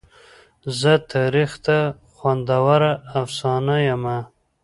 زه تاریخ ته خوندوره افسانه یمه.